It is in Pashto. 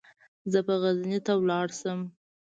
زه به غزني ته ولاړ شم.